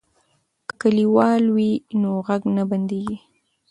که کلیوال وي نو غږ نه بندیږي.